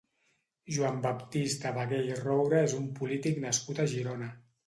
Joan Baptista Bagué i Roura és un polític nascut a Girona.